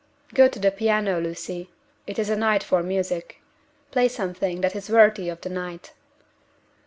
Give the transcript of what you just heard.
"Go to the piano, Lucy. It is a night for music. Play something that is worthy of the night."